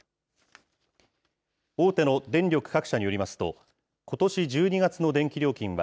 大手の電力各社によりますと、ことし１２月の電気料金は、